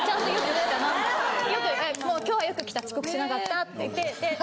・なるほどな・今日はよく来た遅刻しなかったって言って。